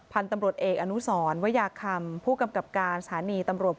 พันธุ์ตำรวจเอกอนุสรวยาคำผู้กำกับการสถานีตำรวจ